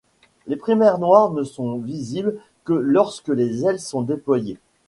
Les primaires noires ne sont visibles que lorsque les ailes sont déployées.